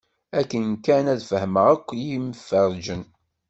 Akken kan ad fehmen akk yimferǧen.